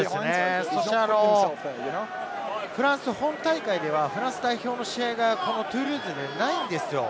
そしてフランス本大会ではフランス代表の試合がこのトゥールーズでないんですよ。